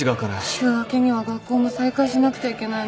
週明けには学校も再開しなくちゃいけないのに。